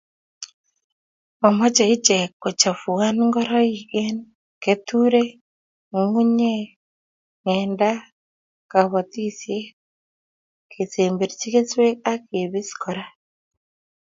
Momoche ichek kochafuan ngoroik eng keturek, ngungunyek, ngenda, kobotisiet, kesemberchi keswek ak kebis kora